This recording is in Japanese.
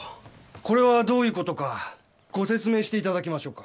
これはどういう事かご説明して頂きましょうか。